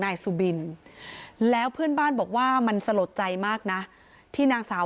นายสุบินแล้วเพื่อนบ้านบอกว่ามันสลดใจมากนะที่นางสาว